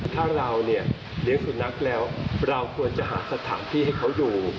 ถ้าเราเนี่ยเลี้ยงสุนัขแล้วเราควรจะหาสถานที่ให้เขาดู